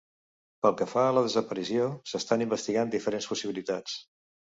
Pel que fa a la desaparició, s'estan investigant diferents possibilitats.